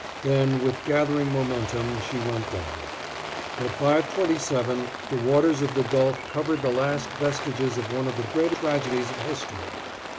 Then with gathering momentum she went down. At 5:27 the waters of the gulf covered the last vestiges of one of the great tragedies of history.